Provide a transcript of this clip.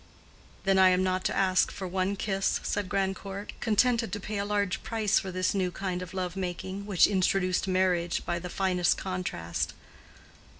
"Then I am not to ask for one kiss," said Grandcourt, contented to pay a large price for this new kind of love making, which introduced marriage by the finest contrast.